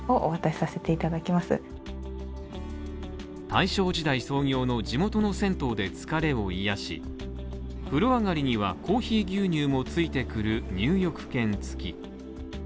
大正時代創業の地元の銭湯で疲れを癒やし、風呂上がりにはコーヒー牛乳もついてくる入浴券付き。